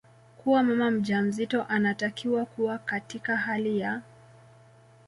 kuwa mama mjamzito anatakiwa kuwa katika hali ya